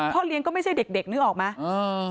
พ่อเลี้ยงก็ไม่ใช่เด็กนึกออกมั้ย